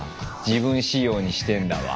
自分仕様にしてんだわ。